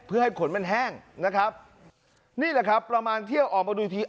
เพื่อให้ขนมันแห้งนะครับนี่แหละครับประมาณเที่ยงออกมาดูอีกที